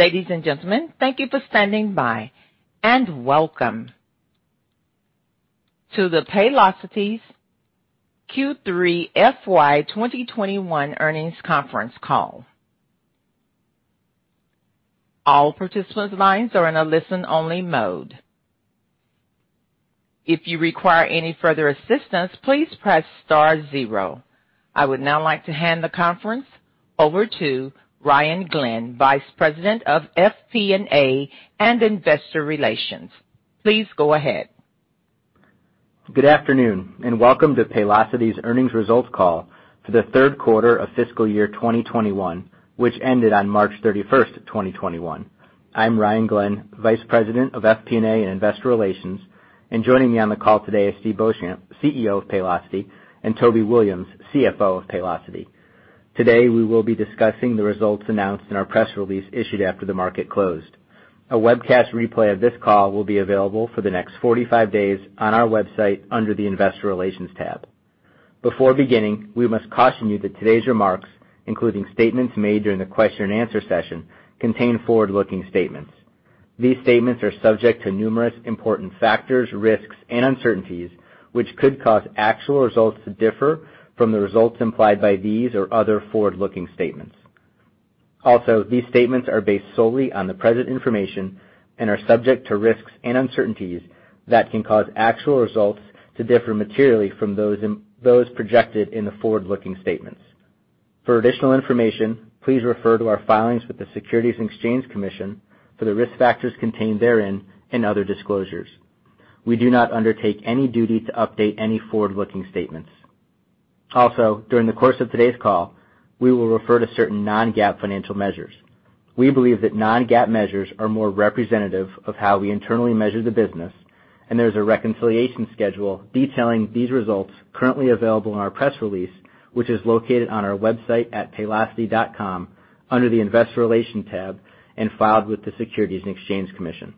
Ladies and gentlemen, thank you for standing by and welcome to the Paylocity's Q3 FY 2021 Earnings Conference Call. All participants' lines are in a listen-only mode. If you require any further assistance, please press star zero. I would now like to hand the conference over to Ryan Glenn, Vice President of FP&A and Investor Relations. Please go ahead. Good afternoon, and welcome to Paylocity's earnings results call for the third quarter of fiscal year 2021, which ended on March 31st, 2021. I'm Ryan Glenn, Vice President of FP&A and Investor Relations, and joining me on the call today is Steve Beauchamp, CEO of Paylocity, and Toby Williams, CFO of Paylocity. Today, we will be discussing the results announced in our press release issued after the market closed. A webcast replay of this call will be available for the next 45 days on our website under the Investor Relations tab. Before beginning, we must caution you that today's remarks, including statements made during the question and answer session, contain forward-looking statements. These statements are subject to numerous important factors, risks, and uncertainties which could cause actual results to differ from the results implied by these or other forward-looking statements. These statements are based solely on the present information and are subject to risks and uncertainties that can cause actual results to differ materially from those projected in the forward-looking statements. For additional information, please refer to our filings with the Securities and Exchange Commission for the risk factors contained therein and other disclosures. We do not undertake any duty to update any forward-looking statements. During the course of today's call, we will refer to certain non-GAAP financial measures. We believe that non-GAAP measures are more representative of how we internally measure the business, and there's a reconciliation schedule detailing these results currently available in our press release, which is located on our website at paylocity.com under the Investor Relations tab and filed with the Securities and Exchange Commission.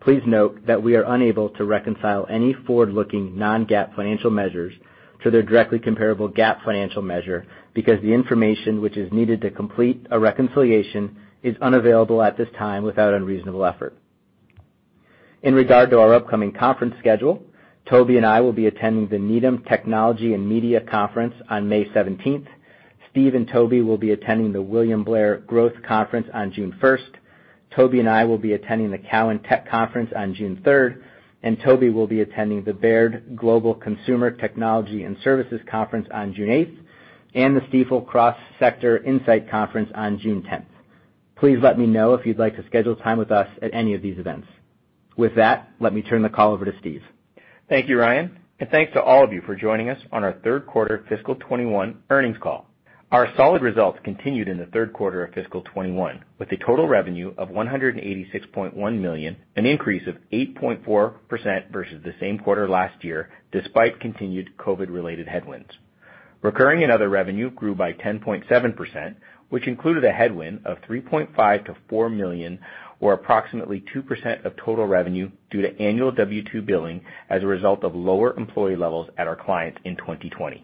Please note that we are unable to reconcile any forward-looking non-GAAP financial measures to their directly comparable GAAP financial measure because the information which is needed to complete a reconciliation is unavailable at this time without unreasonable effort. In regard to our upcoming conference schedule, Toby and I will be attending the Needham Technology & Media Conference on May 17th. Steve and Toby will be attending the William Blair Growth Stock Conference on June 1st. Toby and I will be attending the Cowen Technology, Media & Telecom Conference on June 3rd, and Toby will be attending the Baird Global Consumer, Technology & Services Conference on June 8th, and the Stifel Cross Sector Insight Conference on June 10th. Please let me know if you'd like to schedule time with us at any of these events. With that, let me turn the call over to Steve. Thank you, Ryan, and thanks to all of you for joining us on our third quarter fiscal 2021 earnings call. Our solid results continued in the third quarter of fiscal 2021, with a total revenue of $186.1 million, an increase of 8.4% versus the same quarter last year, despite continued COVID-related headwinds. Recurring and other revenue grew by 10.7%, which included a headwind of $3.5 million-$4 million or approximately 2% of total revenue due to annual W-2 billing as a result of lower employee levels at our clients in 2020.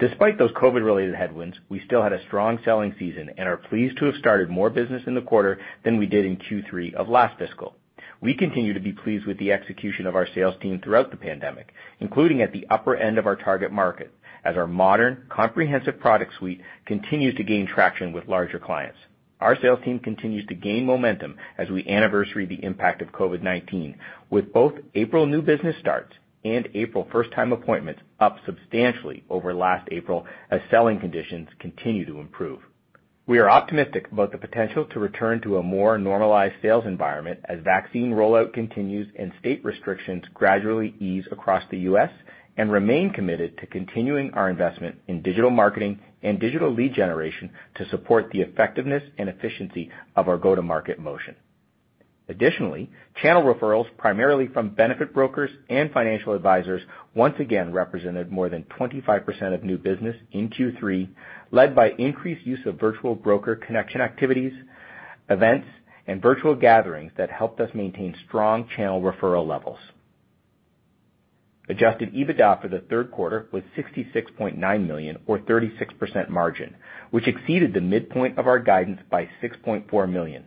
Despite those COVID-related headwinds, we still had a strong selling season and are pleased to have started more business in the quarter than we did in Q3 of last fiscal. We continue to be pleased with the execution of our sales team throughout the pandemic, including at the upper end of our target market, as our modern, comprehensive product suite continues to gain traction with larger clients. Our sales team continues to gain momentum as we anniversary the impact of COVID-19, with both April new business starts and April first-time appointments up substantially over last April as selling conditions continue to improve. We are optimistic about the potential to return to a more normalized sales environment as vaccine rollout continues and state restrictions gradually ease across the U.S. and remain committed to continuing our investment in digital marketing and digital lead generation to support the effectiveness and efficiency of our go-to-market motion. Additionally, channel referrals, primarily from benefit brokers and financial advisors, once again represented more than 25% of new business in Q3, led by increased use of virtual broker connection activities, events, and virtual gatherings that helped us maintain strong channel referral levels. Adjusted EBITDA for the third quarter was $66.9 million or 36% margin, which exceeded the midpoint of our guidance by $6.4 million.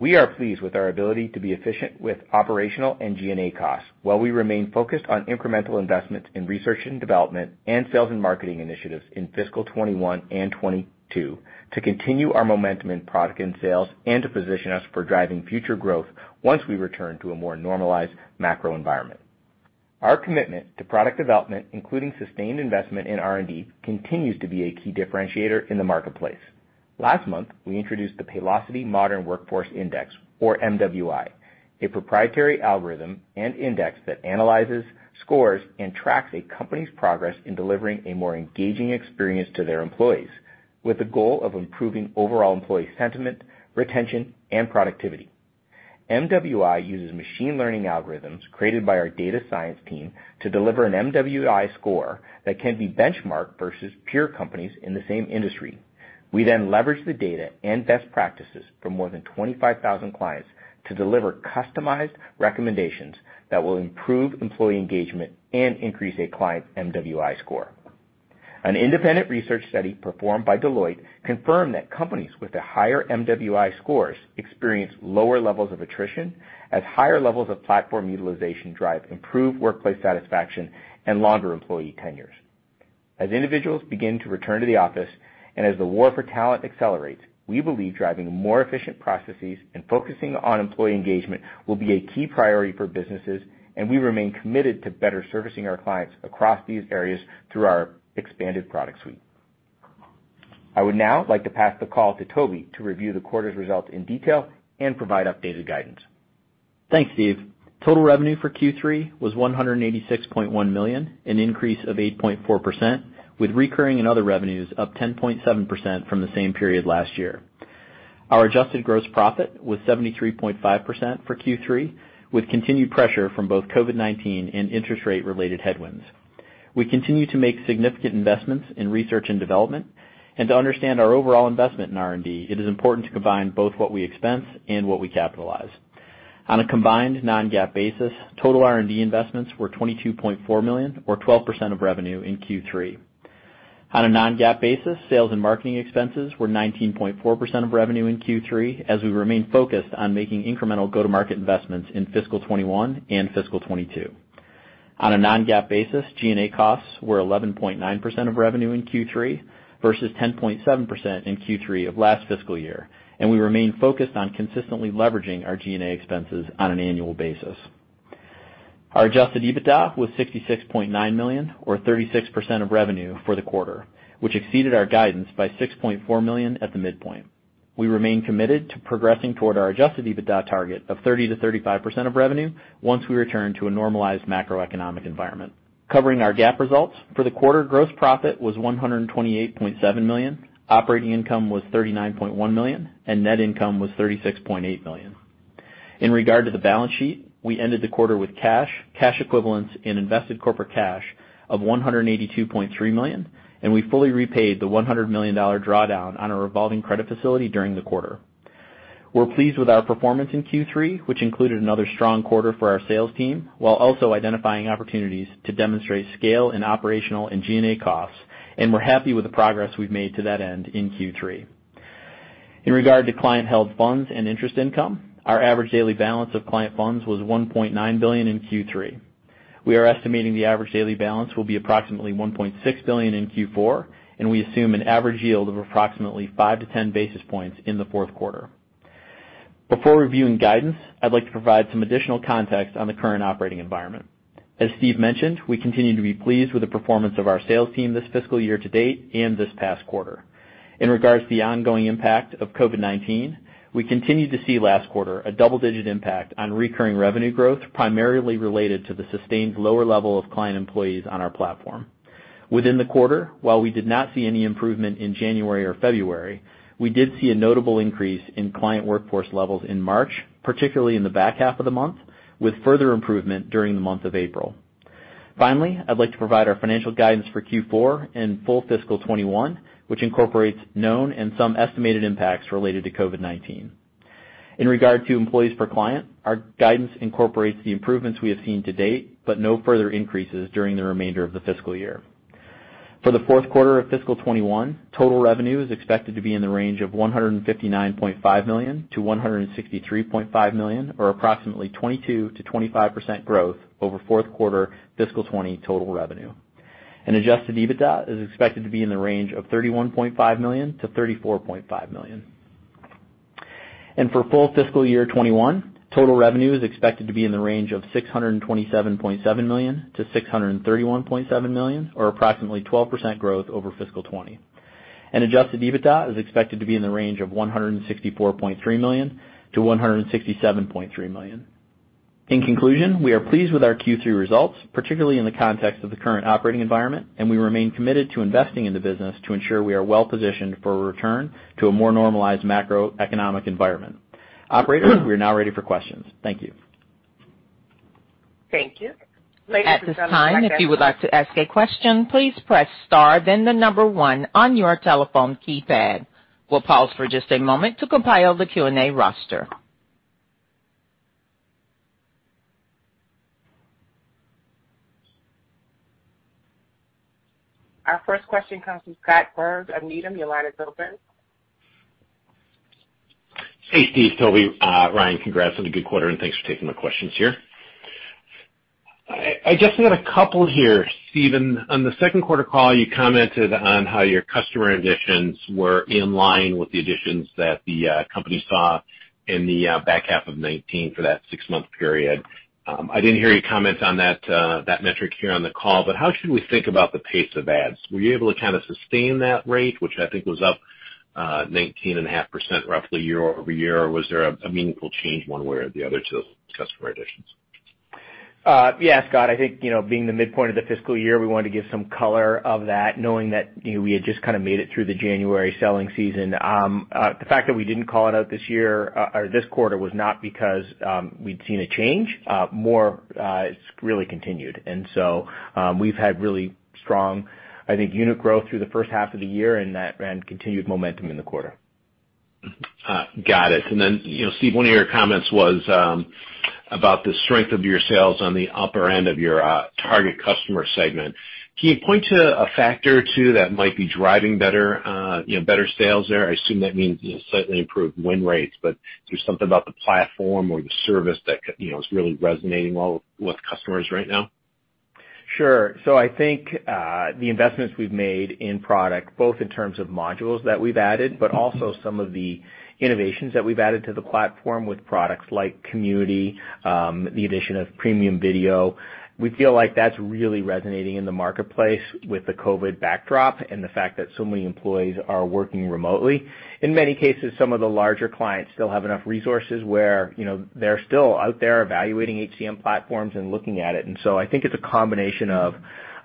We are pleased with our ability to be efficient with operational and G&A costs while we remain focused on incremental investments in research and development and sales and marketing initiatives in fiscal 2021 and 2022 to continue our momentum in product and sales and to position us for driving future growth once we return to a more normalized macro environment. Our commitment to product development, including sustained investment in R&D, continues to be a key differentiator in the marketplace. Last month, we introduced the Paylocity Modern Workforce Index or MWI, a proprietary algorithm and index that analyzes, scores, and tracks a company's progress in delivering a more engaging experience to their employees with the goal of improving overall employee sentiment, retention, and productivity. MWI uses machine learning algorithms created by our data science team to deliver an MWI score that can be benchmarked versus peer companies in the same industry. We leverage the data and best practices from more than 25,000 clients to deliver customized recommendations that will improve employee engagement and increase a client MWI score. An independent research study performed by Deloitte confirmed that companies with the higher MWI scores experience lower levels of attrition as higher levels of platform utilization drive improved workplace satisfaction and longer employee tenures. As individuals begin to return to the office, and as the war for talent accelerates, we believe driving more efficient processes and focusing on employee engagement will be a key priority for businesses, and we remain committed to better servicing our clients across these areas through our expanded product suite. I would now like to pass the call to Toby to review the quarter's results in detail and provide updated guidance. Thanks, Steve. Total revenue for Q3 was $186.1 million, an increase of 8.4%, with recurring and other revenues up 10.7% from the same period last year. Our adjusted gross profit was 73.5% for Q3, with continued pressure from both COVID-19 and interest rate-related headwinds. We continue to make significant investments in research and development. To understand our overall investment in R&D, it is important to combine both what we expense and what we capitalize. On a combined non-GAAP basis, total R&D investments were $22.4 million or 12% of revenue in Q3. On a non-GAAP basis, sales and marketing expenses were 19.4% of revenue in Q3, as we remain focused on making incremental go-to-market investments in fiscal 2021 and fiscal 2022. On a non-GAAP basis, G&A costs were 11.9% of revenue in Q3 versus 10.7% in Q3 of last fiscal year, and we remain focused on consistently leveraging our G&A expenses on an annual basis. Our adjusted EBITDA was $66.9 million, or 36% of revenue for the quarter, which exceeded our guidance by $6.4 million at the midpoint. We remain committed to progressing toward our adjusted EBITDA target of 30%-35% of revenue once we return to a normalized macroeconomic environment. Covering our GAAP results. For the quarter, gross profit was $128.7 million, operating income was $39.1 million, and net income was $36.8 million. In regard to the balance sheet, we ended the quarter with cash equivalents, and invested corporate cash of $182.3 million, and we fully repaid the $100 million drawdown on our revolving credit facility during the quarter. We're pleased with our performance in Q3, which included another strong quarter for our sales team, while also identifying opportunities to demonstrate scale in operational and G&A costs. We're happy with the progress we've made to that end in Q3. In regard to client-held funds and interest income, our average daily balance of client funds was $1.9 billion in Q3. We are estimating the average daily balance will be approximately $1.6 billion in Q4, and we assume an average yield of approximately 5 to 10 basis points in the fourth quarter. Before reviewing guidance, I'd like to provide some additional context on the current operating environment. As Steve mentioned, we continue to be pleased with the performance of our sales team this fiscal year to date and this past quarter. In regards to the ongoing impact of COVID-19, we continued to see last quarter a double-digit impact on recurring revenue growth, primarily related to the sustained lower level of client employees on our platform. Within the quarter, while we did not see any improvement in January or February, we did see a notable increase in client workforce levels in March, particularly in the back half of the month, with further improvement during the month of April. Finally, I'd like to provide our financial guidance for Q4 and full fiscal 2021, which incorporates known and some estimated impacts related to COVID-19. In regard to employees per client, our guidance incorporates the improvements we have seen to date, but no further increases during the remainder of the fiscal year. For the fourth quarter of fiscal 2021, total revenue is expected to be in the range of $159.5 million-$163.5 million, or approximately 22%-25% growth over fourth quarter fiscal 2020 total revenue. Adjusted EBITDA is expected to be in the range of $31.5 million-$34.5 million. For full fiscal year 2021, total revenue is expected to be in the range of $627.7 million-$631.7 million, or approximately 12% growth over fiscal 2020. Adjusted EBITDA is expected to be in the range of $164.3 million-$167.3 million. In conclusion, we are pleased with our Q3 results, particularly in the context of the current operating environment, and we remain committed to investing in the business to ensure we are well-positioned for a return to a more normalized macroeconomic environment. Operator, we are now ready for questions. Thank you. Thank you. At this time, if you would like to ask a question, please press star, then the number one on your telephone keypad. We'll pause for just a moment to compile the Q&A roster. Our first question comes from Scott Berg of Needham. Your line is open. Hey, Steve, Toby, Ryan, congrats on a good quarter, and thanks for taking the questions here. I just have a couple here. Steve, on the second quarter call, you commented on how your customer additions were in line with the additions that the company saw in the back half of 2019 for that six-month period. I didn't hear you comment on that metric here on the call, but how should we think about the pace of adds? Were you able to kind of sustain that rate, which I think was up 19.5% roughly year-over-year, or was there a meaningful change one way or the other to customer additions? Yeah, Scott, I think being the midpoint of the fiscal year, we wanted to give some color of that, knowing that we had just kind of made it through the January selling season. The fact that we didn't call it out this quarter was not because we'd seen a change. More, it's really continued. So we've had really strong, I think, unit growth through the first half of the year and continued momentum in the quarter. Got it. Steve, one of your comments was about the strength of your sales on the upper end of your target customer segment. Can you point to a factor or two that might be driving better sales there? I assume that means slightly improved win rates, but is there something about the platform or the service that is really resonating well with customers right now? Sure. I think, the investments we've made in product, both in terms of modules that we've added, but also some of the innovations that we've added to the platform with products like Community, the addition of Premium Video. We feel like that's really resonating in the marketplace with the COVID backdrop and the fact that so many employees are working remotely. In many cases, some of the larger clients still have enough resources where they're still out there evaluating HCM platforms and looking at it. I think it's a combination of,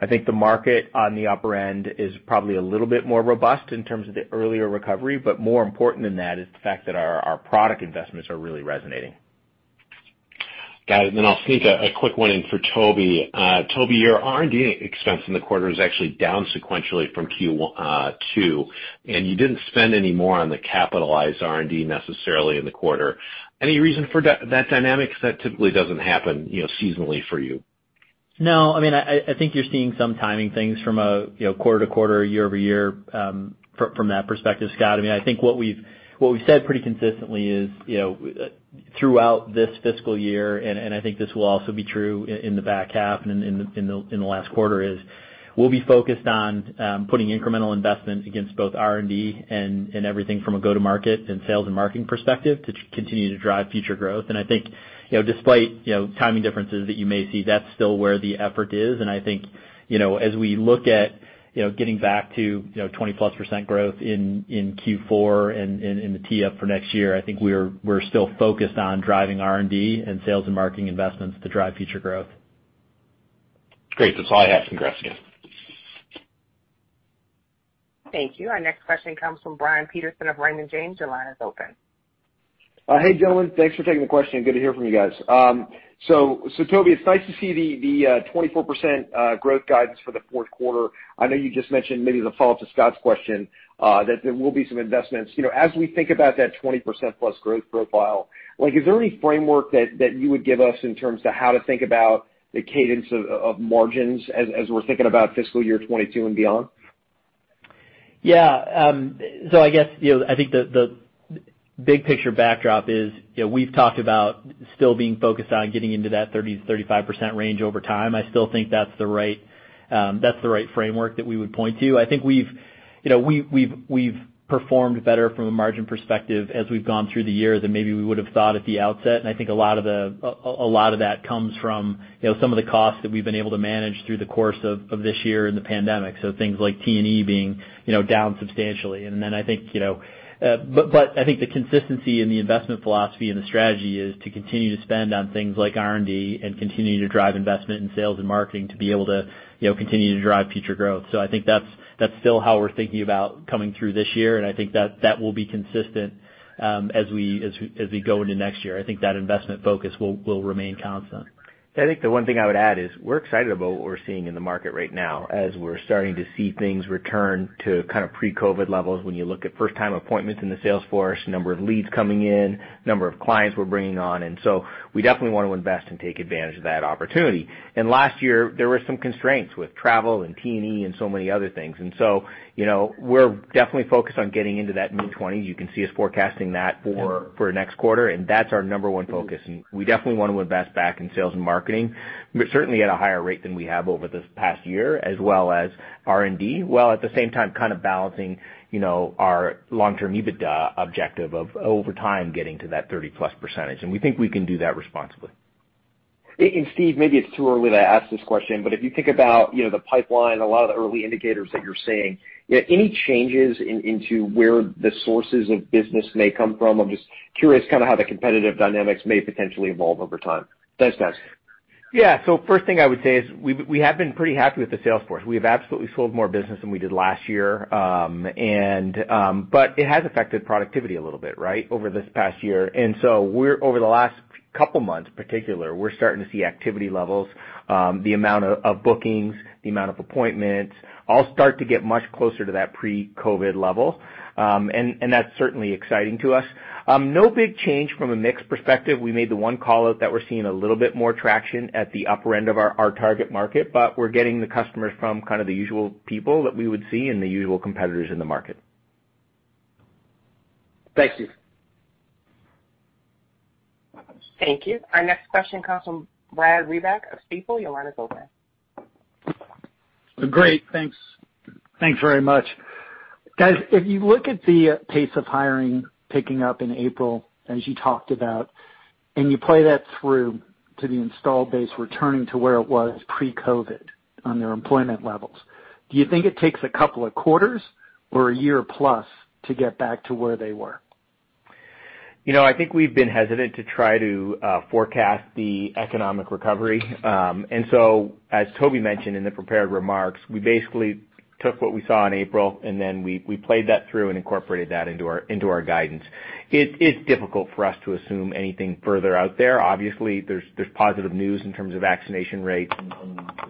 I think the market on the upper end is probably a little bit more robust in terms of the earlier recovery, but more important than that is the fact that our product investments are really resonating. Got it. I'll sneak a quick one in for Toby. Toby, your R&D expense in the quarter is actually down sequentially from Q2, and you didn't spend any more on the capitalized R&D necessarily in the quarter. Any reason for that dynamic? Because that typically doesn't happen seasonally for you. No, I think you're seeing some timing things from a quarter to quarter, year-over-year, from that perspective, Scott. I think what we've said pretty consistently is, throughout this fiscal year, and I think this will also be true in the back half and in the last quarter, is we'll be focused on putting incremental investment against both R&D and everything from a go-to-market and sales and marketing perspective to continue to drive future growth. I think, despite timing differences that you may see, that's still where the effort is, and I think, as we look at getting back to 20% plus growth in Q4 and in the tee-up for next year, I think we're still focused on driving R&D and sales and marketing investments to drive future growth. Great. That's all I have. Congrats again. Thank you. Our next question comes from Brian Peterson of Raymond James. Your line is open. Hey, gentlemen. Thanks for taking the question. Good to hear from you guys. Toby, it's nice to see the 24% growth guidance for the fourth quarter. I know you just mentioned maybe the follow-up to Scott's question, that there will be some investments. As we think about that 20%+ growth profile, is there any framework that you would give us in terms of how to think about the cadence of margins as we're thinking about fiscal year 2022 and beyond? I think the big picture backdrop is, we've talked about still being focused on getting into that 30%-35% range over time. I still think that's the right framework that we would point to. I think we've performed better from a margin perspective as we've gone through the year than maybe we would've thought at the outset, and I think a lot of that comes from some of the costs that we've been able to manage through the course of this year and the pandemic. Things like T&E being down substantially. I think the consistency in the investment philosophy and the strategy is to continue to spend on things like R&D and continue to drive investment in sales and marketing to be able to continue to drive future growth. I think that's still how we're thinking about coming through this year, and I think that will be consistent as we go into next year. I think that investment focus will remain constant. I think the one thing I would add is we're excited about what we're seeing in the market right now, as we're starting to see things return to pre-COVID levels when you look at first-time appointments in the sales force, number of leads coming in, number of clients we're bringing on. We definitely want to invest and take advantage of that opportunity. Last year, there were some constraints with travel and T&E and so many other things. We're definitely focused on getting into that mid-20s. You can see us forecasting that for next quarter, and that's our number one focus, and we definitely want to invest back in sales and marketing, certainly at a higher rate than we have over this past year, as well as R&D, while at the same time kind of balancing our long-term EBITDA objective of, over time, getting to that 30% plus. We think we can do that responsibly. Steve, maybe it's too early to ask this question, but if you think about the pipeline, a lot of the early indicators that you're seeing, any changes into where the sources of business may come from? I'm just curious how the competitive dynamics may potentially evolve over time. Thanks, guys. Yeah. First thing I would say is we have been pretty happy with the sales force. We have absolutely sold more business than we did last year. It has affected productivity a little bit over this past year. Over the last couple of months, in particular, we're starting to see activity levels, the amount of bookings, the amount of appointments all start to get much closer to that pre-COVID level. That's certainly exciting to us. No big change from a mix perspective. We made the one call-out that we're seeing a little bit more traction at the upper end of our target market, but we're getting the customers from kind of the usual people that we would see and the usual competitors in the market. Thanks, Steve. Thank you. Our next question comes from Brad Reback of Stifel. Your line is open. Great. Thanks very much. Guys, if you look at the pace of hiring picking up in April, as you talked about, and you play that through to the installed base returning to where it was pre-COVID on their employment levels, do you think it takes a couple of quarters or a year plus to get back to where they were? I think we've been hesitant to try to forecast the economic recovery. As Toby mentioned in the prepared remarks, we basically took what we saw in April, and then we played that through and incorporated that into our guidance. It's difficult for us to assume anything further out there. Obviously, there's positive news in terms of vaccination rates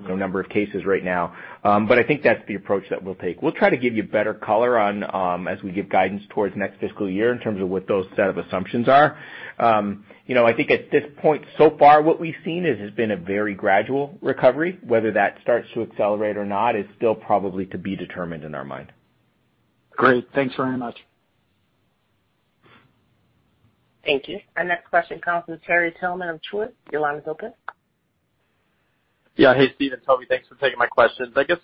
number of cases right now. I think that's the approach that we'll take. We'll try to give you better color as we give guidance towards next fiscal year in terms of what those set of assumptions are. I think at this point so far what we've seen is, has been a very gradual recovery. Whether that starts to accelerate or not is still probably to be determined in our mind. Great. Thanks very much. Thank you. Our next question comes from Terry Tillman of Truist. Your line is open. Yeah. Hey, Steve and Toby. Thanks for taking my questions. I guess,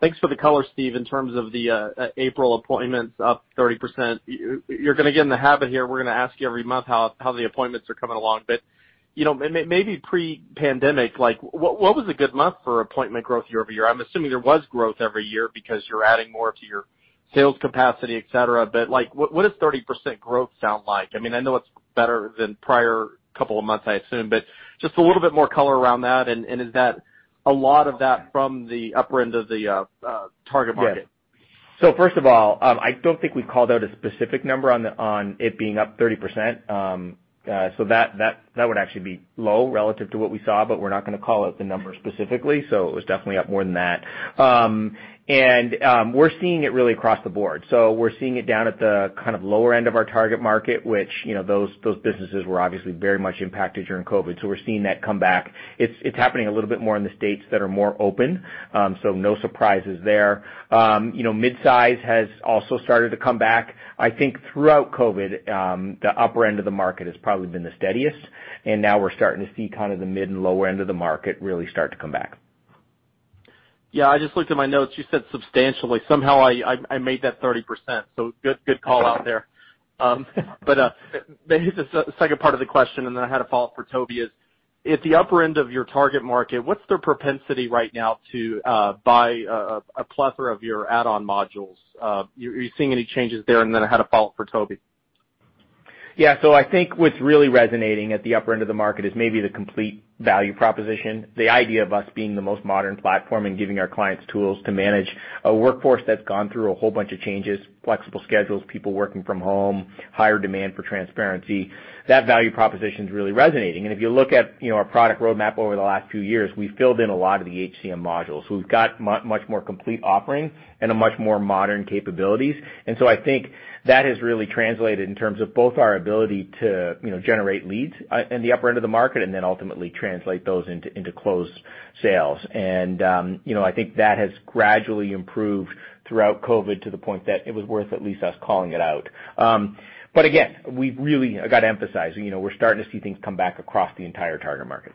thanks for the color, Steve, in terms of the April appointments up 30%. You're going to get in the habit here, we're going to ask you every month how the appointments are coming along. Maybe pre-pandemic, what was a good month for appointment growth year-over-year? I'm assuming there was growth every year because you're adding more to your sales capacity, et cetera. What does 30% growth sound like? I know it's better than prior couple of months, I assume, but just a little bit more color around that, and is that a lot of that from the upper end of the target market? Yeah. First of all, I don't think we've called out a specific number on it being up 30%. That would actually be low relative to what we saw, but we're not going to call out the number specifically. We're seeing it really across the board. We're seeing it down at the lower end of our target market, which, those businesses were obviously very much impacted during COVID. We're seeing that come back. It's happening a little bit more in the U.S. states that are more open, no surprises there. Mid-size has also started to come back. I think throughout COVID, the upper end of the market has probably been the steadiest, now we're starting to see the mid and lower end of the market really start to come back. Yeah, I just looked at my notes. You said substantially. Somehow, I made that 30%, so good call out there. Maybe the second part of the question, and then I had a follow-up for Toby is, at the upper end of your target market, what's their propensity right now to buy a plethora of your add-on modules? Are you seeing any changes there? I had a follow-up for Toby. Yeah. I think what's really resonating at the upper end of the market is maybe the complete value proposition. The idea of us being the most modern platform and giving our clients tools to manage a workforce that's gone through a whole bunch of changes, flexible schedules, people working from home, higher demand for transparency. That value proposition's really resonating. If you look at our product roadmap over the last few years, we've filled in a lot of the HCM modules. We've got much more complete offering and a much more modern capabilities. I think that has really translated in terms of both our ability to generate leads, in the upper end of the market, and then ultimately translate those into closed sales. I think that has gradually improved throughout COVID to the point that it was worth at least us calling it out. Again, we've really got to emphasize, we're starting to see things come back across the entire target market.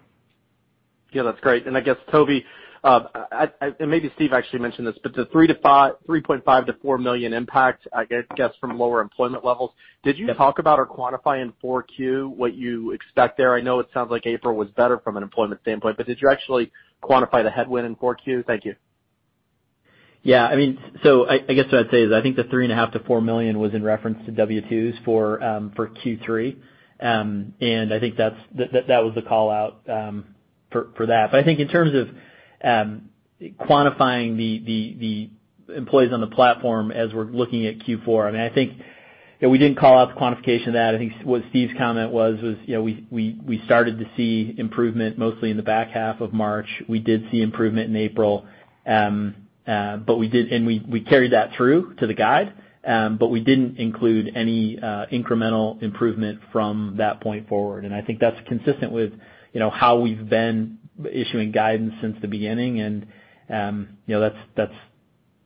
Yeah, that's great. I guess, Toby, and maybe Steve actually mentioned this, but the $3.5 million-$4 million impact, I guess, from lower employment levels. Did you talk about or quantify in Q4 what you expect there? I know it sounds like April was better from an employment standpoint, but did you actually quantify the headwind in Q4? Thank you. I guess what I'd say is, I think the 3.5 million-4 million was in reference to W-2s for Q3. I think that was the call-out for that. I think in terms of quantifying the employees on the platform as we're looking at Q4, I think that we didn't call out the quantification of that. I think what Steve's comment was, we started to see improvement mostly in the back half of March. We did see improvement in April, and we carried that through to the guide. We didn't include any incremental improvement from that point forward. I think that's consistent with how we've been issuing guidance since the beginning, and that's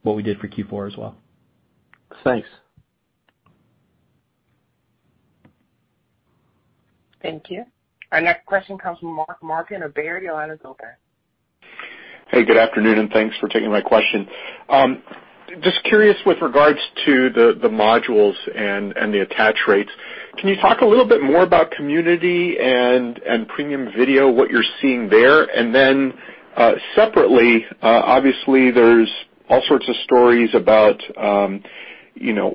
what we did for Q4 as well. Thanks. Thank you. Our next question comes from Mark Marcon of Baird. Your line is open. Hey, good afternoon, thanks for taking my question. Just curious with regards to the modules and the attach rates. Can you talk a little bit more about Community and Premium Video, what you're seeing there? Then, separately, obviously there's all sorts of stories about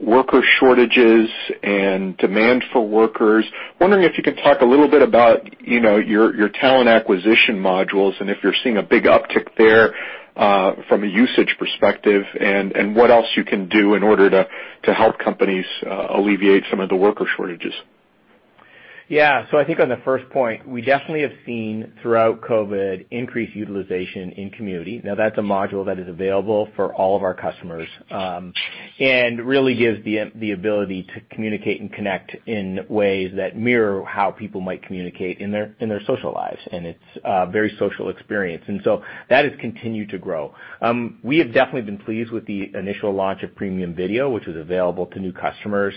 worker shortages and demand for workers. Wondering if you can talk a little bit about your talent acquisition modules and if you're seeing a big uptick there, from a usage perspective, and what else you can do in order to help companies alleviate some of the worker shortages. Yeah. I think on the first point, we definitely have seen throughout COVID increased utilization in Community. Now that's a module that is available for all of our customers, and really gives the ability to communicate and connect in ways that mirror how people might communicate in their social lives, and it's a very social experience. That has continued to grow. We have definitely been pleased with the initial launch of Premium Video, which was available to new customers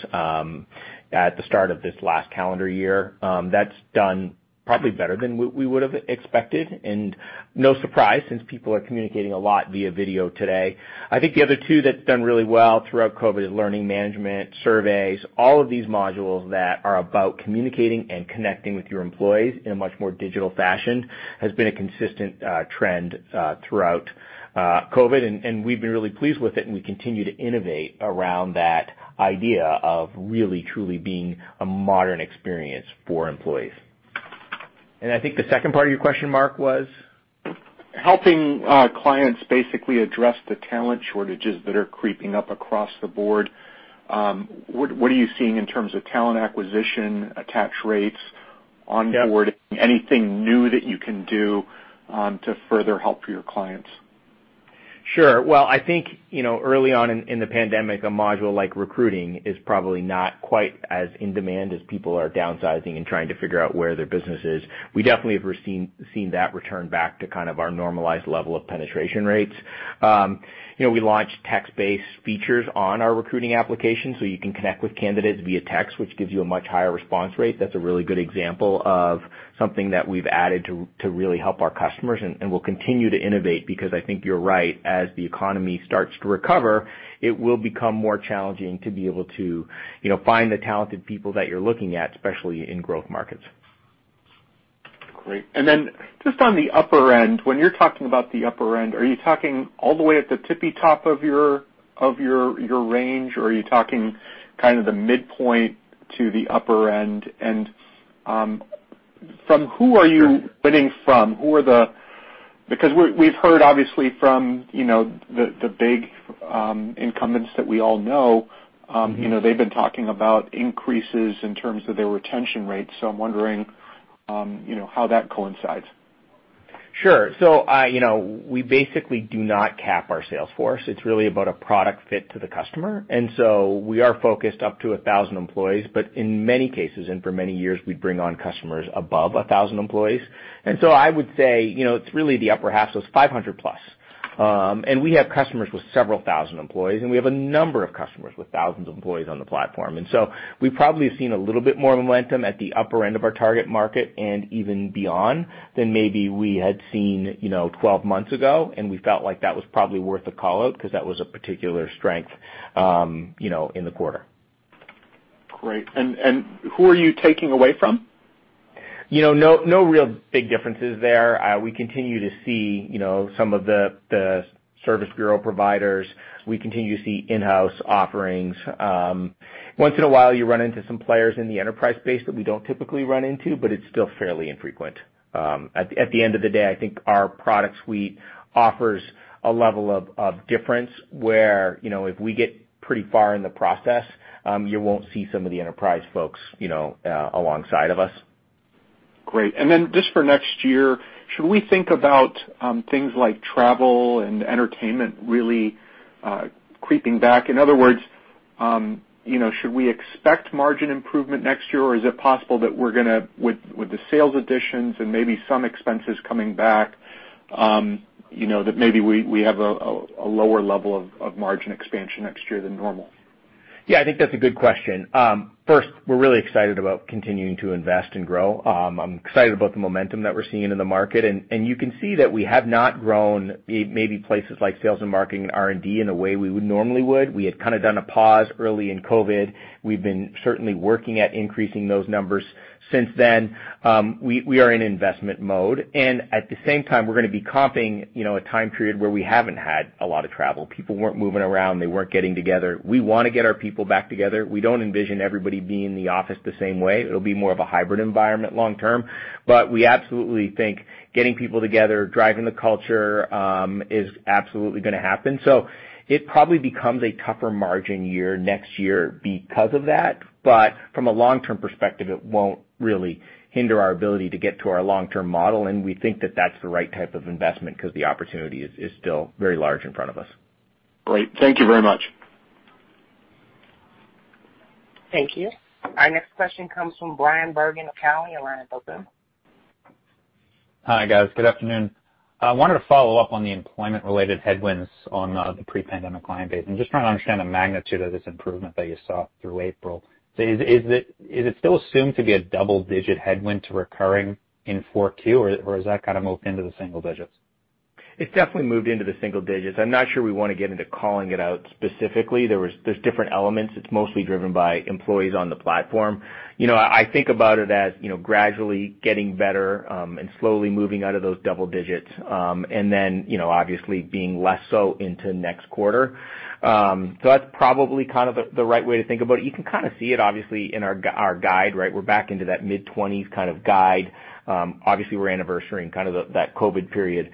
at the start of this last calendar year. That's done probably better than we would've expected, and no surprise since people are communicating a lot via video today. I think the other two that's done really well throughout COVID is Learning Management, Surveys. All of these modules that are about communicating and connecting with your employees in a much more digital fashion has been a consistent trend throughout COVID-19, and we've been really pleased with it, and we continue to innovate around that idea of really truly being a modern experience for employees. I think the second part of your question, Mark, was? Helping clients basically address the talent shortages that are creeping up across the board. What are you seeing in terms of talent acquisition, attach rates? Onboarding? Anything new that you can do to further help your clients? Sure. Well, I think, early on in the pandemic, a module like recruiting is probably not quite as in demand as people are downsizing and trying to figure out where their business is. We definitely have seen that return back to kind of our normalized level of penetration rates. We launched text-based features on our recruiting application, so you can connect with candidates via text, which gives you a much higher response rate. That's a really good example of something that we've added to really help our customers. We'll continue to innovate because I think you're right. As the economy starts to recover, it will become more challenging to be able to find the talented people that you're looking at, especially in growth markets. Great. Then just on the upper end, when you're talking about the upper end, are you talking all the way at the tippy top of your range, or are you talking kind of the midpoint to the upper end? From who are you bidding from? Because we've heard, obviously, from the big incumbents that we all know. They've been talking about increases in terms of their retention rates, I'm wondering how that coincides. Sure. We basically do not cap our sales force. It's really about a product fit to the customer. We are focused up to 1,000 employees. In many cases, and for many years, we'd bring on customers above 1,000 employees. I would say, it's really the upper half, so it's 500 plus. We have customers with several thousand employees, and we have a number of customers with thousands of employees on the platform. We probably have seen a little bit more momentum at the upper end of our target market and even beyond than maybe we had seen 12 months ago, and we felt like that was probably worth a call-out because that was a particular strength in the quarter. Great. Who are you taking away from? No real big differences there. We continue to see some of the service bureau providers. We continue to see in-house offerings. Once in a while, you run into some players in the enterprise space that we don't typically run into, but it's still fairly infrequent. At the end of the day, I think our product suite offers a level of difference where if we get pretty far in the process, you won't see some of the enterprise folks alongside of us. Great. Just for next year, should we think about things like travel and entertainment really creeping back? In other words, should we expect margin improvement next year, or is it possible that we're going to, with the sales additions and maybe some expenses coming back, that maybe we have a lower level of margin expansion next year than normal? Yeah, I think that's a good question. First, we're really excited about continuing to invest and grow. I'm excited about the momentum that we're seeing in the market, and you can see that we have not grown maybe places like sales and marketing and R&D in a way we would normally would. We had kind of done a pause early in COVID. We've been certainly working at increasing those numbers since then. We are in investment mode, and at the same time, we're going to be comping a time period where we haven't had a lot of travel. People weren't moving around. They weren't getting together. We want to get our people back together. We don't envision everybody being in the office the same way. It'll be more of a hybrid environment long term. We absolutely think getting people together, driving the culture, is absolutely going to happen. It probably becomes a tougher margin year next year because of that. From a long-term perspective, it won't really hinder our ability to get to our long-term model, and we think that that's the right type of investment because the opportunity is still very large in front of us. Great. Thank you very much. Thank you. Our next question comes from Bryan Bergin of Cowen. Your line is open. Hi, guys. Good afternoon. I wanted to follow up on the employment-related headwinds on the pre-pandemic client base and just trying to understand the magnitude of this improvement that you saw through April. Is it still assumed to be a double-digit headwind to recurring in Q4, or has that kind of moved into the single digits? It's definitely moved into the single digits. I'm not sure we want to get into calling it out specifically. There's different elements. It's mostly driven by employees on the platform. I think about it as gradually getting better, and slowly moving out of those double digits, and then obviously being less so into next quarter. That's probably kind of the right way to think about it. You can kind of see it obviously in our guide, right? We're back into that mid-20s kind of guide. Obviously, we're anniversarying kind of that COVID period.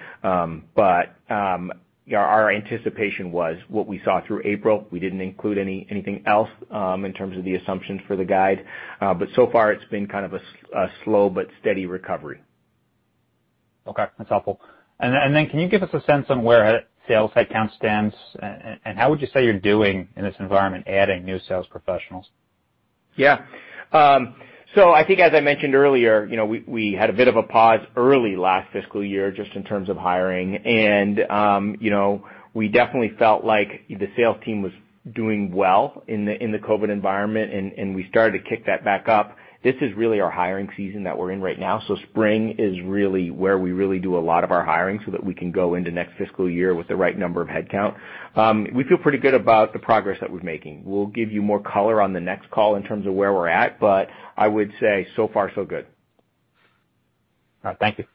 Our anticipation was what we saw through April. We didn't include anything else in terms of the assumptions for the guide. So far, it's been kind of a slow but steady recovery. Okay. That's helpful. Then can you give us a sense on where sales headcount stands, and how would you say you're doing in this environment adding new sales professionals? Yeah. I think, as I mentioned earlier, we had a bit of a pause early last fiscal year just in terms of hiring. We definitely felt like the sales team was doing well in the COVID environment, and we started to kick that back up. This is really our hiring season that we're in right now. Spring is really where we really do a lot of our hiring so that we can go into next fiscal year with the right number of headcount. We feel pretty good about the progress that we're making. We'll give you more color on the next call in terms of where we're at, but I would say so far so good. All right. Thank you.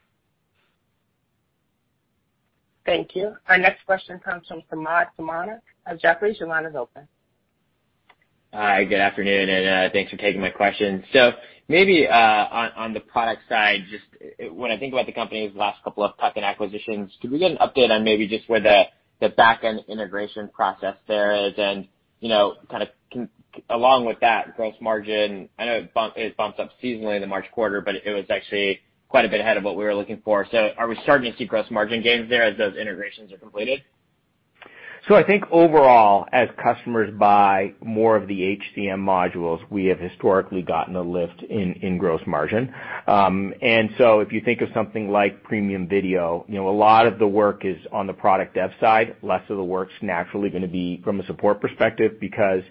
Thank you. Our next question comes from Samad Samana of Jefferies. Your line is open. Hi, good afternoon, thanks for taking my question. Maybe on the product side, just when I think about the company's last couple of tuck-in acquisitions, could we get an update on maybe just where the back-end integration process there is along with that gross margin, I know it bumps up seasonally in the March quarter, it was actually quite a bit ahead of what we were looking for. Are we starting to see gross margin gains there as those integrations are completed? I think overall, as customers buy more of the HCM modules, we have historically gotten a lift in gross margin. If you think of something like Premium Video, a lot of the work is on the product dev side, less of the work's naturally going to be from a support perspective, because,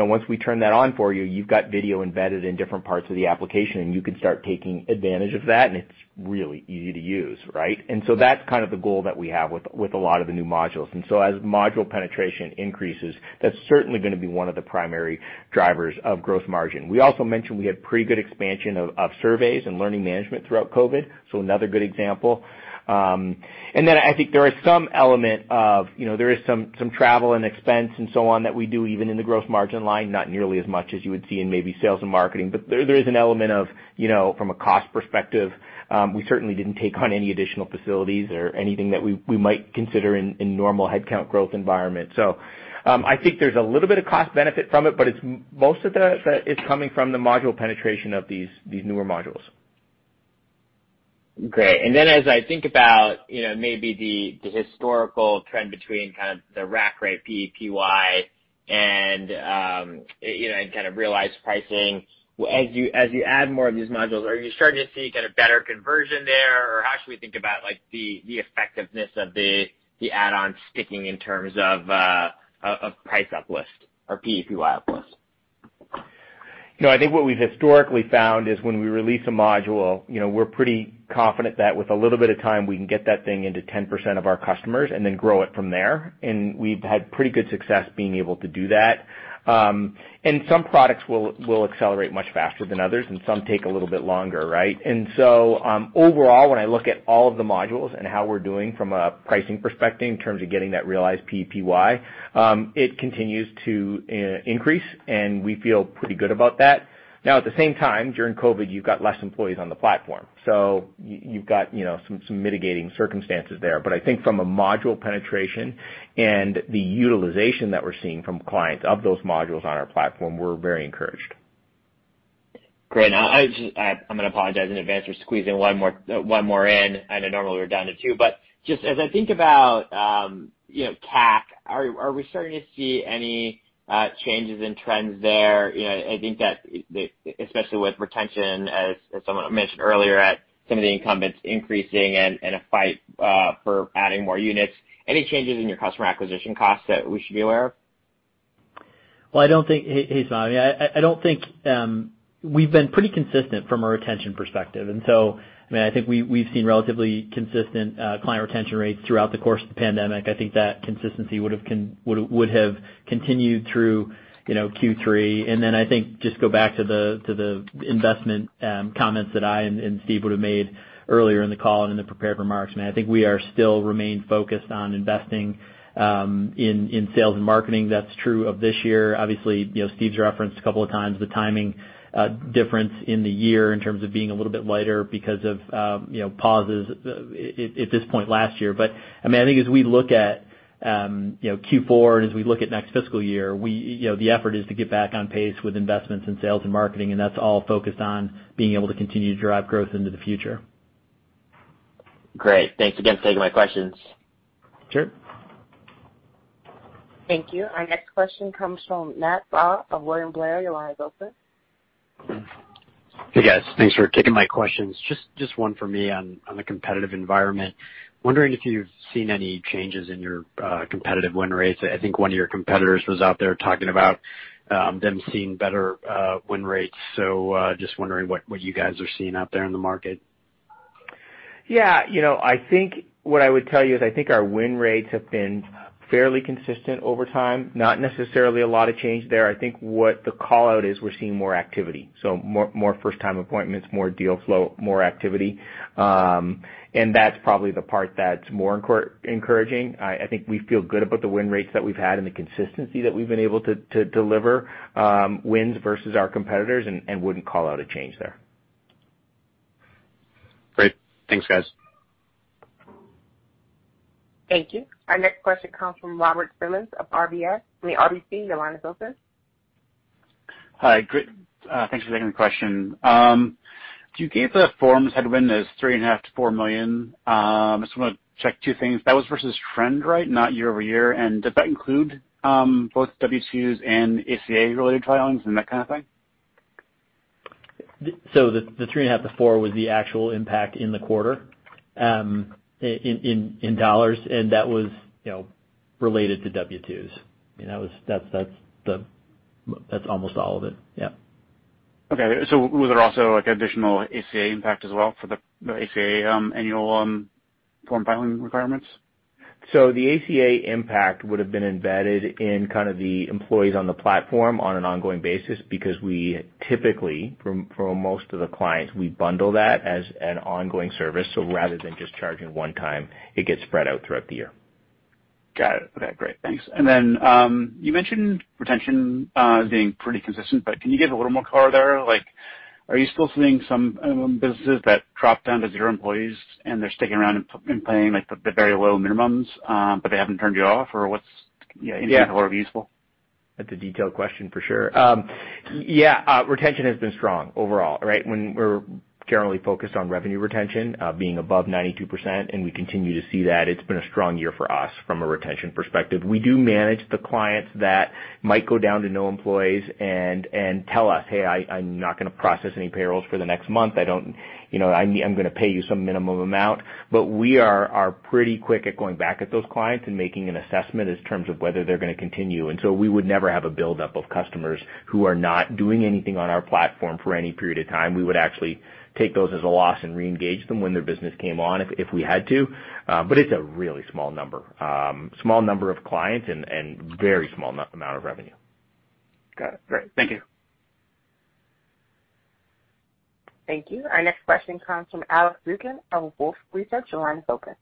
once we turn that on for you've got video embedded in different parts of the application, and you can start taking advantage of that, and it's really easy to use, right? That's kind of the goal that we have with a lot of the new modules. As module penetration increases, that's certainly going to be one of the primary drivers of gross margin. We also mentioned we had pretty good expansion of Surveys and Learning Management throughout COVID, so another good example. I think there is some element of travel and expense and so on that we do, even in the gross margin line, not nearly as much as you would see in maybe sales and marketing. There is an element of, from a cost perspective, we certainly didn't take on any additional facilities or anything that we might consider in normal headcount growth environment. I think there's a little bit of cost benefit from it, but most of that is coming from the module penetration of these newer modules. Great. As I think about maybe the historical trend between kind of the rack rate PPY and kind of realized pricing, as you add more of these modules, are you starting to see kind of better conversion there? How should we think about the effectiveness of the add-on sticking in terms of price up list or PPY up list? I think what we've historically found is when we release a module, we're pretty confident that with a little bit of time, we can get that thing into 10% of our customers and then grow it from there. We've had pretty good success being able to do that. Some products will accelerate much faster than others, and some take a little bit longer, right? Overall, when I look at all of the modules and how we're doing from a pricing perspective in terms of getting that realized PPY, it continues to increase, and we feel pretty good about that. Now, at the same time, during COVID, you've got less employees on the platform, so you've got some mitigating circumstances there. I think from a module penetration and the utilization that we're seeing from clients of those modules on our platform, we're very encouraged. Great. Now I'm going to apologize in advance for squeezing one more in. I know normally we're down to two, but just as I think about CAC, are we starting to see any changes in trends there? I think that especially with retention, as someone mentioned earlier, some of the incumbents increasing and a fight for adding more units. Any changes in your customer acquisition costs that we should be aware of? Hey, Sami. We've been pretty consistent from a retention perspective, and so, I think we've seen relatively consistent client retention rates throughout the course of the pandemic. I think that consistency would have continued through Q3. I think just go back to the investment comments that I and Steve would've made earlier in the call and in the prepared remarks. I think we are still remain focused on investing in sales and marketing. That's true of this year. Obviously, Steve's referenced a couple of times the timing difference in the year in terms of being a little bit lighter because of pauses at this point last year. I think as we look at Q4 and as we look at next fiscal year, the effort is to get back on pace with investments in sales and marketing, and that's all focused on being able to continue to drive growth into the future. Great. Thanks again for taking my questions. Sure. Thank you. Our next question comes from Matt Ball of William Blair. Your line is open. Hey, guys. Thanks for taking my questions. Just one for me on the competitive environment. Wondering if you've seen any changes in your competitive win rates. I think one of your competitors was out there talking about them seeing better win rates. Just wondering what you guys are seeing out there in the market. Yeah. I think what I would tell you is I think our win rates have been fairly consistent over time. Not necessarily a lot of change there. I think what the call-out is, we're seeing more activity, so more first-time appointments, more deal flow, more activity. That's probably the part that's more encouraging. I think we feel good about the win rates that we've had and the consistency that we've been able to deliver wins versus our competitors, and wouldn't call out a change there. Great. Thanks, guys. Thank you. Our next question comes from Robert Simmons of RBC. From the RBC, your line is open. Hi. Great. Thanks for taking the question. You gave the forms headwind as $3.5 million-$4 million. I just want to check two things. That was versus trend, right? Not year-over-year. Does that include both W-2s and ACA-related filings and that kind of thing? The $3.5 million-$4 million was the actual impact in the quarter. That was related to W-2s. That's almost all of it. Yeah. Okay. Was there also like additional ACA impact as well for the ACA annual form filing requirements? The ACA impact would've been embedded in kind of the employees on the platform on an ongoing basis because we typically, for most of the clients, we bundle that as an ongoing service. Rather than just charging one time, it gets spread out throughout the year. Got it. Okay, great. Thanks. Then, you mentioned retention being pretty consistent, but can you give a little more color there, like, are you still seeing some businesses that drop down to zero employees and they're sticking around and paying the very low minimums, but they haven't turned you off? What's the overall view? That's a detailed question, for sure. Yeah. Retention has been strong overall, right? When we're generally focused on revenue retention, being above 92%, and we continue to see that. It's been a strong year for us from a retention perspective. We do manage the clients that might go down to no employees and tell us, "Hey, I'm not going to process any payrolls for the next month. I'm going to pay you some minimum amount." We are pretty quick at going back at those clients and making an assessment in terms of whether they're going to continue. We would never have a buildup of customers who are not doing anything on our platform for any period of time. We would actually take those as a loss and re-engage them when their business came on if we had to. It's a really small number. Small number of clients and very small amount of revenue. Got it. Great. Thank you. Thank you. Our next question comes from Alex Zukin of Wolfe Research. Your line is open.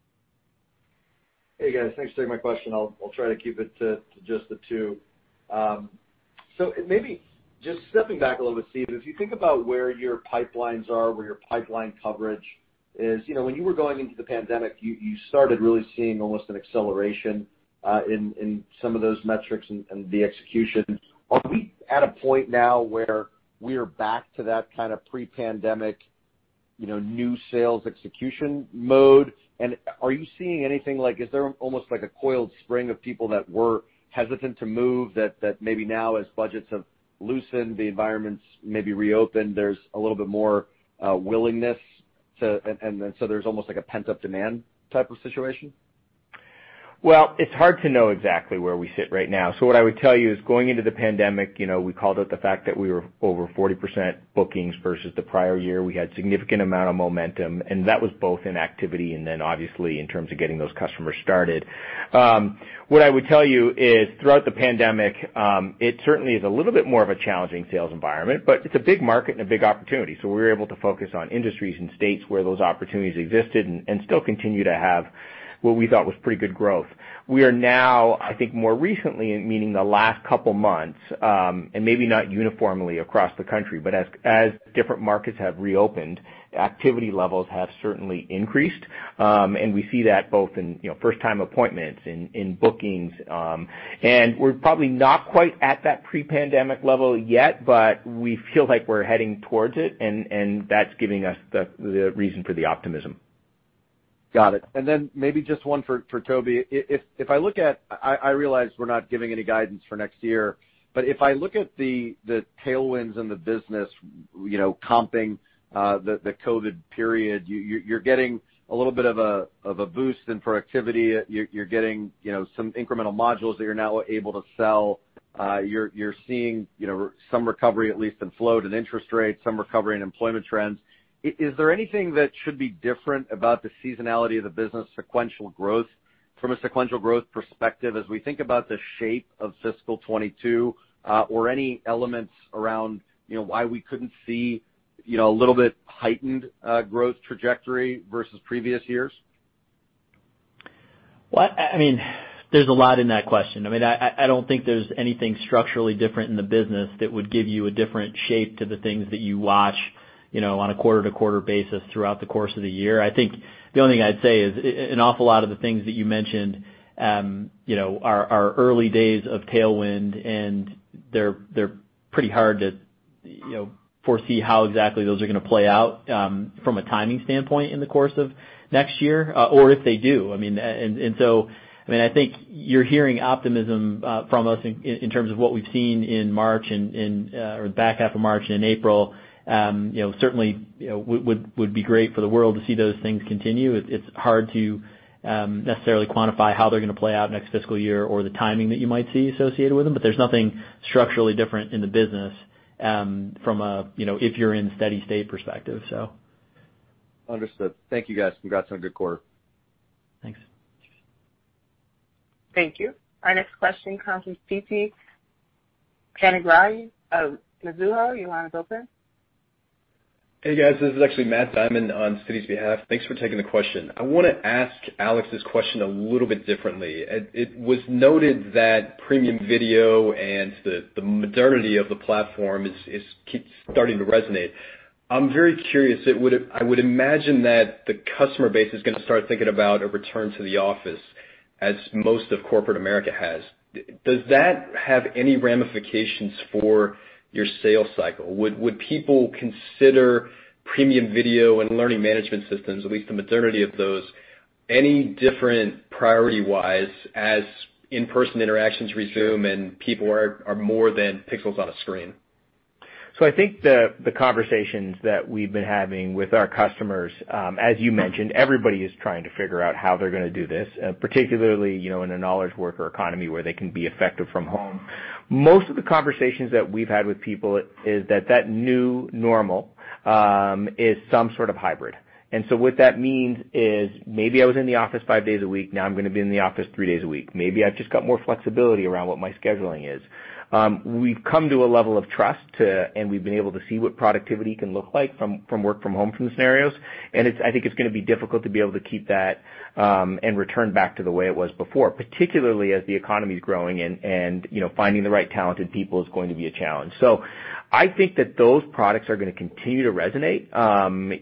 Hey, guys. Thanks for taking my question. I'll try to keep it to just the two. Maybe just stepping back a little bit, Steve, if you think about where your pipelines are, where your pipeline coverage is, when you were going into the pandemic, you started really seeing almost an acceleration in some of those metrics and the execution. Are we at a point now where we're back to that pre-pandemic new sales execution mode? Are you seeing anything like, is there almost like a coiled spring of people that were hesitant to move that maybe now as budgets have loosened, the environment's maybe reopened, there's a little bit more willingness, and so there's almost like a pent-up demand type of situation? Well, it's hard to know exactly where we sit right now. What I would tell you is going into the pandemic, we called out the fact that we were over 40% bookings versus the prior year. We had a significant amount of momentum, and that was both in activity and then obviously in terms of getting those customers started. What I would tell you is throughout the pandemic, it certainly is a little bit more of a challenging sales environment, but it's a big market and a big opportunity. We were able to focus on industries and states where those opportunities existed and still continue to have what we thought was pretty good growth. We are now, I think, more recently, meaning the last couple of months, and maybe not uniformly across the country, but as different markets have reopened, activity levels have certainly increased. We see that both in first-time appointments, in bookings. We're probably not quite at that pre-pandemic level yet, but we feel like we're heading towards it, and that's giving us the reason for the optimism. Got it. Maybe just one for Toby. I realize we're not giving any guidance for next year, but if I look at the tailwinds in the business, comping the COVID period, you're getting a little bit of a boost in productivity. You're getting some incremental modules that you're now able to sell. You're seeing some recovery, at least in flow and interest rates, some recovery in employment trends. Is there anything that should be different about the seasonality of the business from a sequential growth perspective as we think about the shape of fiscal 2022 or any elements around why we couldn't see a little bit heightened growth trajectory versus previous years? Well, there's a lot in that question. I don't think there's anything structurally different in the business that would give you a different shape to the things that you watch on a quarter-to-quarter basis throughout the course of the year. I think the only thing I'd say is an awful lot of the things that you mentioned are early days of tailwind, and they're pretty hard to foresee how exactly those are going to play out from a timing standpoint in the course of next year or if they do. I think you're hearing optimism from us in terms of what we've seen in the back half of March and in April. Certainly would be great for the world to see those things continue. It's hard to necessarily quantify how they're going to play out next fiscal year or the timing that you might see associated with them. There's nothing structurally different in the business from if you're in steady state perspective. Understood. Thank you, guys. Congrats on a good quarter. Thanks. Thank you. Our next question comes from Siti. Siti Panigrahi of Mizuho. Your line is open. Hey, guys. This is actually Matt on Siti's behalf. Thanks for taking the question. I want to ask Alex this question a little bit differently. It was noted that Premium Video and the modernity of the platform is starting to resonate. I'm very curious. I would imagine that the customer base is going to start thinking about a return to the office as most of corporate America has. Does that have any ramifications for your sales cycle? Would people consider Premium Video and learning management systems, at least the modernity of those, any different priority-wise as in-person interactions resume and people are more than pixels on a screen? I think the conversations that we've been having with our customers, as you mentioned, everybody is trying to figure out how they're going to do this, particularly in a knowledge worker economy where they can be effective from home. Most of the conversations that we've had with people is that new normal is some sort of hybrid. What that means is maybe I was in the office five days a week, now I'm going to be in the office three days a week. Maybe I've just got more flexibility around what my scheduling is. We've come to a level of trust, and we've been able to see what productivity can look like from work from home from the scenarios. I think it's going to be difficult to be able to keep that, and return back to the way it was before, particularly as the economy's growing and finding the right talented people is going to be a challenge. I think that those products are going to continue to resonate,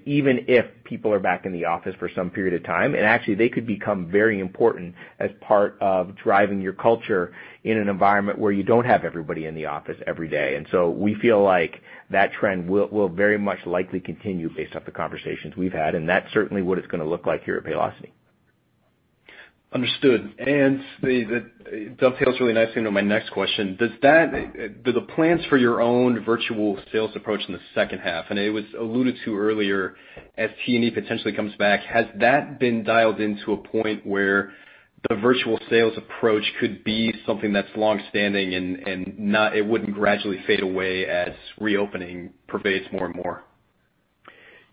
even if people are back in the office for some period of time. Actually, they could become very important as part of driving your culture in an environment where you don't have everybody in the office every day. We feel like that trend will very much likely continue based off the conversations we've had. That's certainly what it's going to look like here at Paylocity. Understood. That dovetails really nicely into my next question. Do the plans for your own virtual sales approach in the second half, and it was alluded to earlier as T&E potentially comes back, has that been dialed into a point where the virtual sales approach could be something that's longstanding, and it wouldn't gradually fade away as reopening pervades more and more?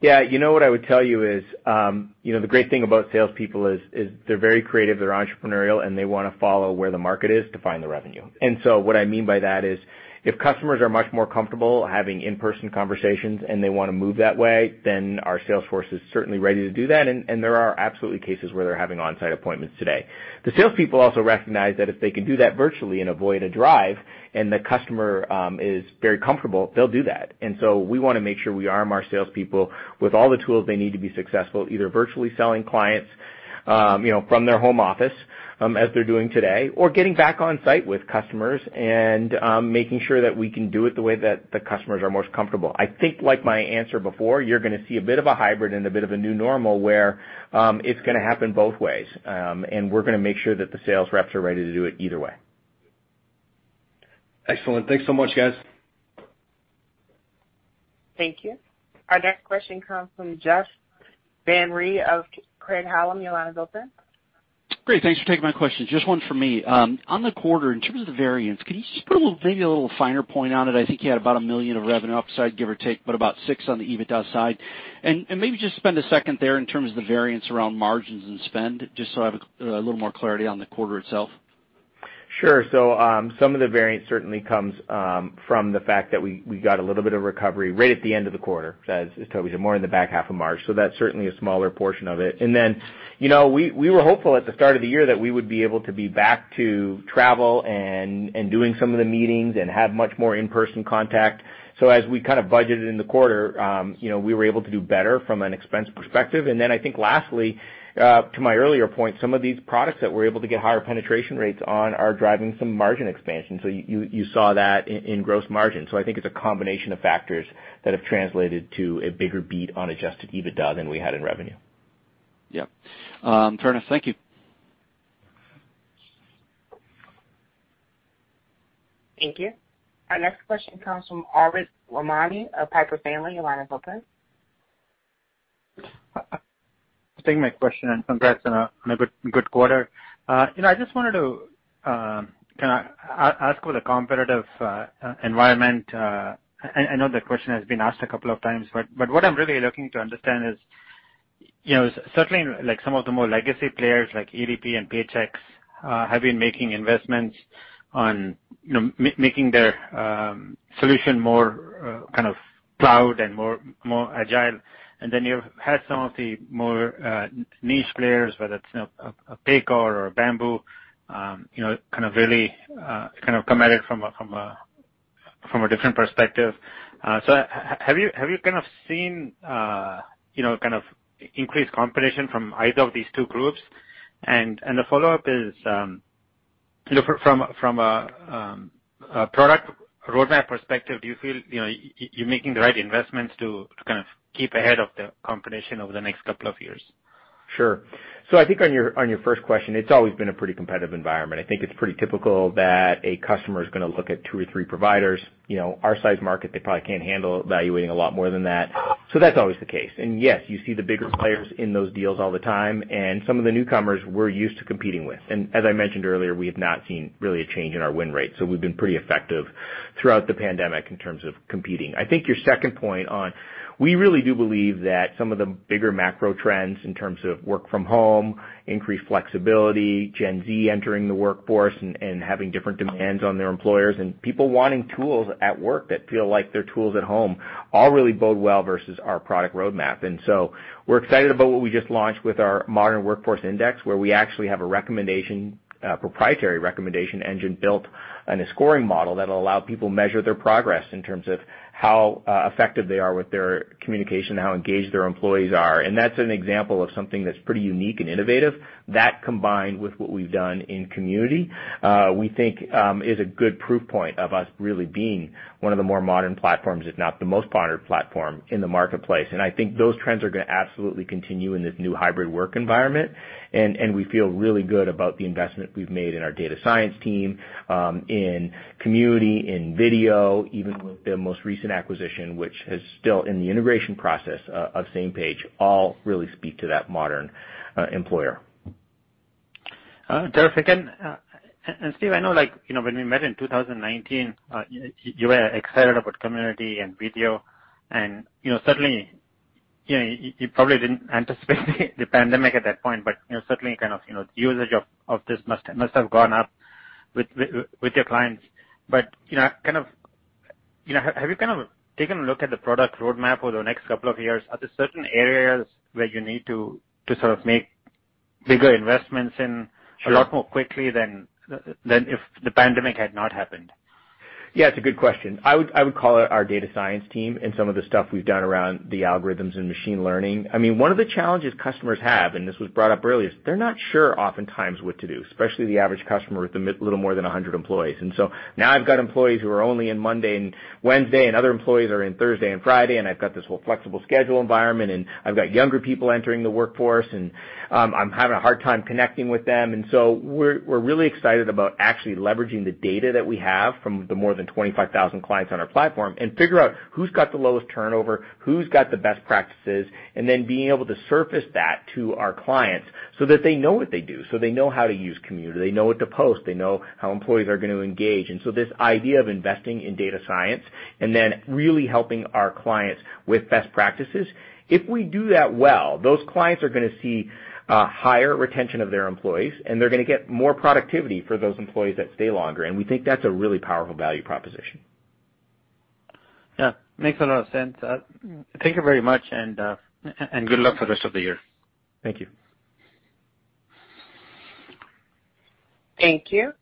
Yeah. What I would tell you is the great thing about salespeople is they're very creative, they're entrepreneurial, and they want to follow where the market is to find the revenue. What I mean by that is if customers are much more comfortable having in-person conversations and they want to move that way, then our sales force is certainly ready to do that, and there are absolutely cases where they're having on-site appointments today. The salespeople also recognize that if they can do that virtually and avoid a drive, and the customer is very comfortable, they'll do that. We want to make sure we arm our salespeople with all the tools they need to be successful, either virtually selling clients from their home office, as they're doing today, or getting back on site with customers and making sure that we can do it the way that the customers are most comfortable. I think, like my answer before, you're going to see a bit of a hybrid and a bit of a new normal, where it's going to happen both ways. We're going to make sure that the sales reps are ready to do it either way. Excellent. Thanks so much, guys. Thank you. Our next question comes from Jeff Van Rhee of Craig-Hallum, your line is open. Great. Thanks for taking my question. Just one for me. On the quarter, in terms of the variance, can you just put maybe a little finer point on it? I think you had about $1 million of revenue upside, give or take, but about $6 on the EBITDA side. Maybe just spend a second there in terms of the variance around margins and spend, just so I have a little more clarity on the quarter itself. Sure. Some of the variance certainly comes from the fact that we got a little bit of recovery right at the end of the quarter. As Toby said, more in the back half of March. That's certainly a smaller portion of it. We were hopeful at the start of the year that we would be able to be back to travel and doing some of the meetings and have much more in-person contact. As we kind of budgeted in the quarter, we were able to do better from an expense perspective. I think lastly, to my earlier point, some of these products that we're able to get higher penetration rates on are driving some margin expansion. You saw that in gross margin. I think it's a combination of factors that have translated to a bigger beat on adjusted EBITDA than we had in revenue. Yep. Fair enough. Thank you. Thank you. Our next question comes from Arvind Ramnani of Piper Sandler. Your line is open. Thanks for taking my question, and congrats on a good quarter. I just wanted to ask about the competitive environment. I know the question has been asked a couple of times, but what I'm really looking to understand is certainly some of the more legacy players like ADP and Paychex have been making investments on making their solution more cloud and more agile. You've had some of the more niche players, whether it's Paycor or BambooHR, really come at it from a different perspective. Have you seen increased competition from either of these two groups? The follow-up is from a product roadmap perspective, do you feel you're making the right investments to keep ahead of the competition over the next couple of years? Sure. I think on your first question, it's always been a pretty competitive environment. I think it's pretty typical that a customer is going to look at two or three providers. Our size market, they probably can't handle evaluating a lot more than that. That's always the case. Yes, you see the bigger players in those deals all the time, and some of the newcomers we're used to competing with. As I mentioned earlier, we have not seen really a change in our win rate. We've been pretty effective throughout the pandemic in terms of competing. I think your second point on, we really do believe that some of the bigger macro trends in terms of work from home, increased flexibility, Gen Z entering the workforce and having different demands on their employers, and people wanting tools at work that feel like their tools at home all really bode well versus our product roadmap. We're excited about what we just launched with our Modern Workforce Index, where we actually have a proprietary recommendation engine built and a scoring model that'll allow people measure their progress in terms of how effective they are with their communication, how engaged their employees are. That's an example of something that's pretty unique and innovative. That combined with what we've done in Community, we think is a good proof point of us really being one of the more modern platforms, if not the most modern platform in the marketplace. I think those trends are going to absolutely continue in this new hybrid work environment. We feel really good about the investment we've made in our data science team, in Community, in video, even with the most recent acquisition, which is still in the integration process of Samepage, all really speak to that modern employer. Sure. Again, Steve, I know when we met in 2019, you were excited about Community and Video, and certainly, you probably didn't anticipate the pandemic at that point, but certainly usage of this must have gone up with your clients. Have you taken a look at the product roadmap over the next couple of years? Are there certain areas where you need to make bigger investments in a lot more quickly than if the pandemic had not happened? Yeah, it's a good question. I would call it our data science team and some of the stuff we've done around the algorithms and machine learning. One of the challenges customers have, and this was brought up earlier, is they're not sure oftentimes what to do, especially the average customer with a little more than 100 employees. Now I've got employees who are only in Monday and Wednesday, and other employees are in Thursday and Friday, and I've got this whole flexible schedule environment, and I've got younger people entering the workforce, and I'm having a hard time connecting with them. We're really excited about actually leveraging the data that we have from the more than 25,000 clients on our platform and figure out who's got the lowest turnover, who's got the best practices, and then being able to surface that to our clients so that they know what they do, so they know how to use Community, they know what to post, they know how employees are going to engage. This idea of investing in data science and then really helping our clients with best practices. If we do that well, those clients are going to see higher retention of their employees, and they're going to get more productivity for those employees that stay longer, and we think that's a really powerful value proposition. Yeah. Makes a lot of sense. Thank you very much, and good luck for the rest of the year. Thank you. Thank you.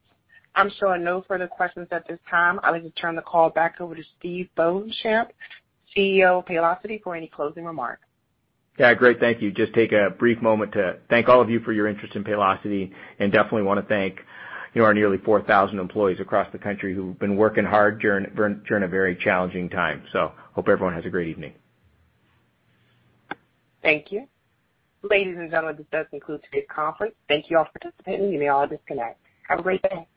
I'm showing no further questions at this time. I would like to turn the call back over to Steve Beauchamp, CEO of Paylocity, for any closing remarks. Yeah. Great. Thank you. Just take a brief moment to thank all of you for your interest in Paylocity, and definitely want to thank our nearly 4,000 employees across the country who've been working hard during a very challenging time. Hope everyone has a great evening. Thank you. Ladies and gentlemen, this does conclude today's conference. Thank you all for participating. You may all disconnect. Have a great day.